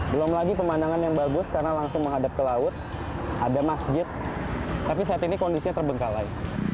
belum lagi pemandangan yang bagus karena langsung menghadap ke laut ada masjid tapi saat ini kondisinya terbengkalai